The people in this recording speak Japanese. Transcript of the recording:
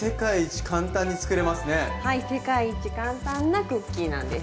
はい世界一簡単なクッキーなんです。